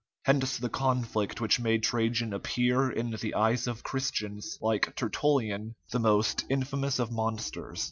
Hence the conflict which made Trajan appear in the eyes of Christians like Tertullian, the most infamous of monsters.